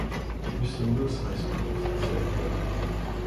"Mr. Wilson, I suppose," said Hall.